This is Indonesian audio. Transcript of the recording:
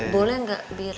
boleh nggak bira